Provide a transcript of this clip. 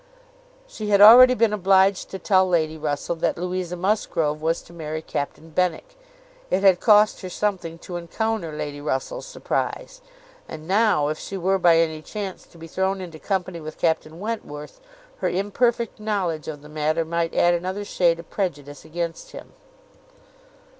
She had already been obliged to tell Lady Russell that Louisa Musgrove was to marry Captain Benwick. It had cost her something to encounter Lady Russell's surprise; and now, if she were by any chance to be thrown into company with Captain Wentworth, her imperfect knowledge of the matter might add another shade of prejudice against him.